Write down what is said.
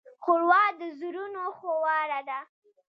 ښوروا د زړونو خواړه دي.